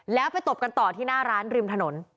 แล้วไปตบกันต่อที่หน้าร้านริมถนน